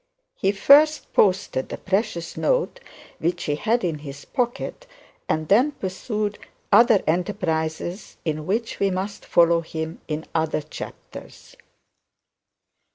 He first posted the precious note which he had in his pocket, and then pursued other enterprises in which we must follow him in other chapters.